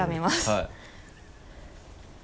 はい。